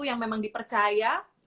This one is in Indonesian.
yang memang dipercaya